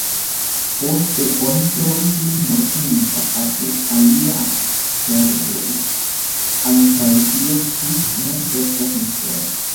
Poste oni trovis lin mortinta apud alia fervojo; ankaŭ tio ĝis nun estas mistero.